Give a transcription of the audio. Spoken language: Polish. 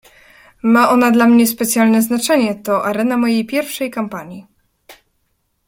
"Ma ona dla mnie specjalne znaczenie: to arena mojej pierwszej kampanii."